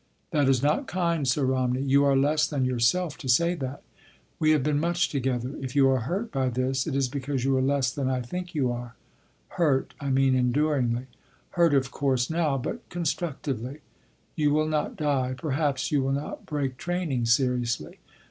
"That is not kind, Sir Romney. You are less than yourself to say that. We have been much together. If you are hurt by this, it is because you are less than I think you are. Hurt—I mean enduringly. Hurt, of course now, but constructively. You will not die. Perhaps you will not break training seriously.